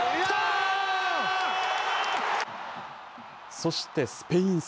そしてスペイン戦。